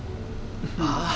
ああ。